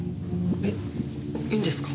えっいいんですか？